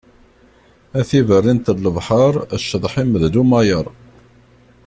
A tiberrint n lebḥer, cceḍḥ-im d llumayer.